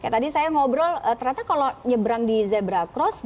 tadi saya ngobrol ternyata kalau nyebrang di zebra cross